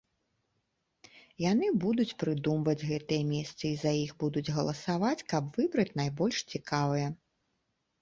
Яны будуць прыдумваць гэтыя месцы і за іх будуць галасаваць, каб выбраць найбольш цікавыя.